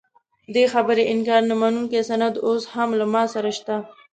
دې خبرې انکار نه منونکی سند اوس هم له ما سره شته.